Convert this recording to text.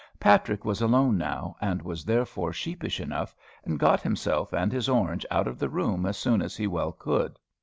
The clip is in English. Patrick was alone now, and was therefore sheepish enough, and got himself and his orange out of the room as soon as he well could.